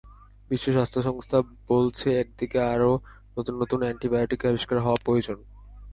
বিশ্ব স্বাস্থ্য সংস্থা বলছে, একদিকে আরও নতুন নতুন অ্যান্টিবায়োটিক আবিষ্কার হওয়া প্রয়োজন।